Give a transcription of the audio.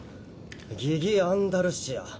「ギギ・アンダルシア」。